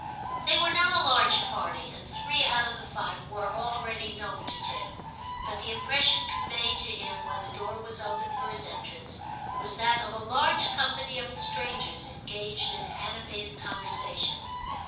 They were not a large party, and three out of the five were already known to Tim, but the impression conveyed to him when the door was opened for his entrance, was that of a large company of strangers engaged in animated conversation.